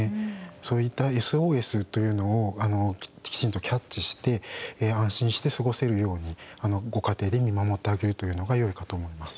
そういったＳＯＳというのをきちんとキャッチして安心して過ごせるようにご家庭で見守ってあげるというのがよいかと思います。